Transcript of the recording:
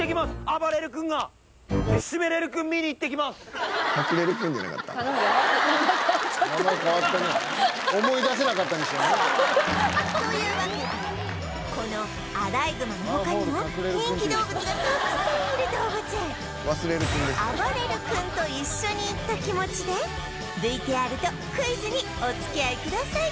あばれる君と一緒に行った気持ちで ＶＴＲ とクイズにお付き合いください